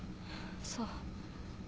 そう。